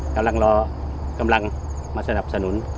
กำลังมาสนับสนุน